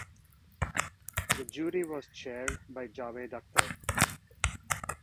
The jury was chaired by Javed Akhtar.